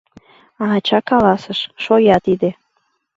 А ача каласыш: «Шоя тиде!